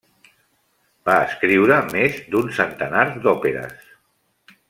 Va escriure més d'un centenar d'òperes.